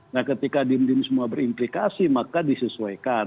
nah ketika dim dim semua berimplikasi maka disesuaikan